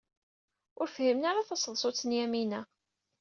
Ur tefhim ara taseḍsut n Yamina.